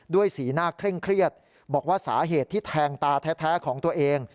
สีหน้าเคร่งเครียดบอกว่าสาเหตุที่แทงตาแท้ของตัวเอง